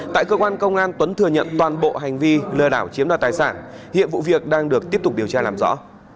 tại cơ quan công an tuấn thừa nhận toàn bộ hành vi lừa đảo chiếm đoạt tài sản hiện vụ việc đang được tiếp tục điều tra làm rõ